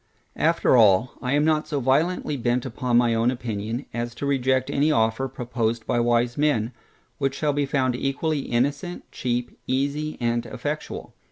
After all, I am not so violently bent upon my own opinion, as to reject any offer, proposed by wise men, which shall be found equally innocent, cheap, easy, and effectual.